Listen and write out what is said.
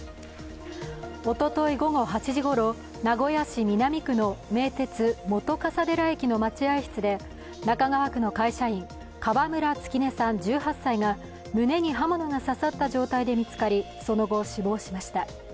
おととい午後８時ごろ名古屋市南区の名鉄本笠寺駅の待合室で中川区の会社員、川村月音さん１８歳が胸に刃物が刺さった状態で見つかり、その後、死亡しました。